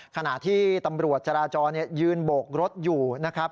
ขณะที่ตำรวจจราจรยื่นโบกรถอยู่